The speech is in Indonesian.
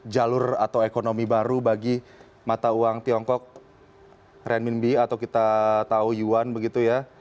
jalur atau ekonomi baru bagi mata uang tiongkok renmin b atau kita tahu yuan begitu ya